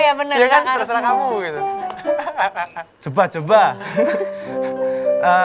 anak anaknya manco sebelation bahan